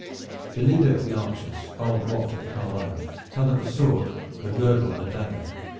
The leader of the archers, old Wat of Carlisle, held up a sword, a girdle and a dagger.